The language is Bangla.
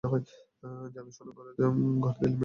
জানাশোনা ঘরে দিলে মেয়ে সুখে থাকিবে।